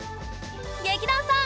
劇団さん！